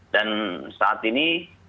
dan saat ini